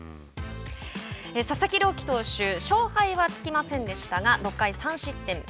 佐々木朗希投手勝敗はつきませんでしたが６回３失点。